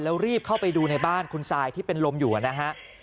แล้วรีบเข้าไปดูในบ้านคุณซายที่เป็นลมอยู่นะฮะ